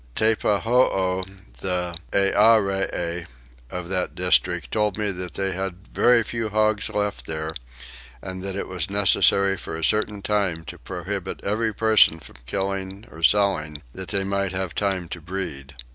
Teppahoo, the Earee of that district, told me that they had very few hogs left there, and that it was necessary for a certain time to prohibit every person from killing or selling, that they might have time to breed.